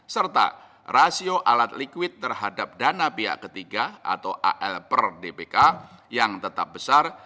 serta rasio alat liquid terhadap dana pihak ketiga atau al per dpk yang tetap besar